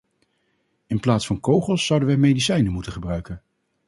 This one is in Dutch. In plaats van kogels zouden wij medicijnen moeten gebruiken.